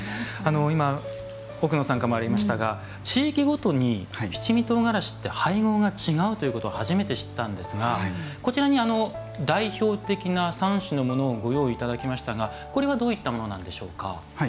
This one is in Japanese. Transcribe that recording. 奥野さんからもありましたが地域ごとに七味唐辛子の配合が違うって初めて知ったんですがこちらに代表的な３種のものをいただきましたがこれはどういったものなんでしょうか？